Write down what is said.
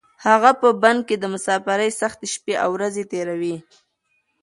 هغه په بن کې د مسافرۍ سختې شپې او ورځې تېروي.